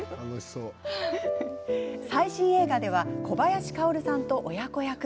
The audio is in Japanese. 最新映画では小林薫さんと親子役。